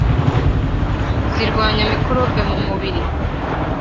zirwanya mikorobe mu mubiri